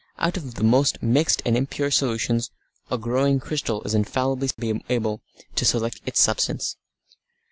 Out of the most mixed and impure solutions a growing crystal is infallibly able to select its substance.